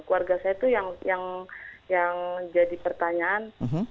keluarga saya itu yang jadi pertanyaan